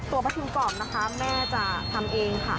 ตัวพะพิ้งกรอบนะคะแม่จะทำเองค่ะ